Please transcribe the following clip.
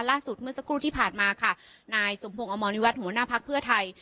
เมื่อสักครู่ที่ผ่านมาค่ะนายสมพงศ์อมรวิวัตรหัวหน้าพักเพื่อไทย